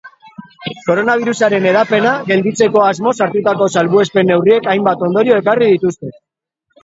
Koronabirusaren hedapena gelditzeko asmoz hartutako salbuespen-neurriek hainbat ondorio ekarri dituzte.